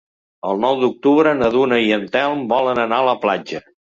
El nou d'octubre na Duna i en Telm volen anar a la platja.